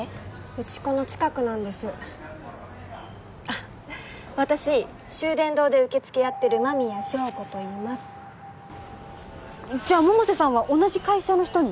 うちこの近くなんですあっ私秀伝堂で受付やってる麻宮祥子といいますじゃ百瀬さんは同じ会社の人に？